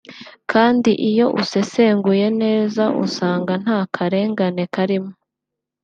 kandi iyo usesenguye neza usanga nta karengane karimo”